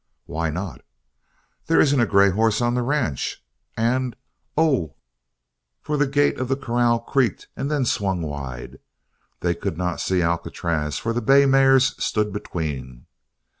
"Why not?" "There isn't a grey horse on the ranch, and oh!" For the gate of the corral creaked and then swung wide. They could not see Alcatraz, for the bay mares stood between.